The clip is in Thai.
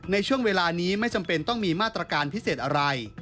ในช่วงเวลานี้ไม่จำเป็นต้องมีมาตรการพิเศษอะไร